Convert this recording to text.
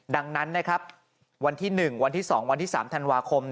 ดังนั้นนะครับวันที่๑วันที่๒วันที่๓ธันวาคม